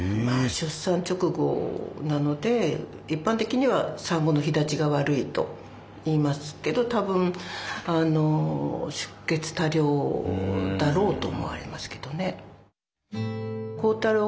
出産直後なので一般的には産後の肥立ちが悪いといいますけど多分あの出血多量だろうと思われますけどね。